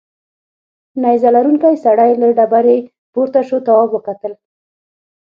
نیزه لرونکی سړی له ډبرې پورته شو تواب وکتل.